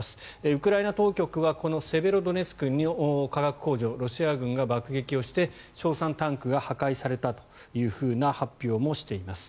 ウクライナ当局はこのセベロドネツクの化学工場をロシア軍が爆撃して硝酸タンクが破壊されたというふうな発表もしています。